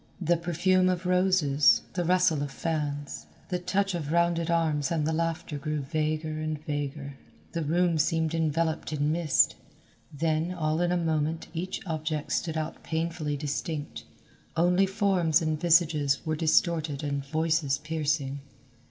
The perfume of roses, the rustle of fans, the touch of rounded arms and the laughter grew vaguer and vaguer. The room seemed enveloped in mist. Then, all in a moment each object stood out painfully distinct, only forms and visages were distorted and voices piercing.